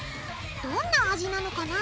どんな味なのかな？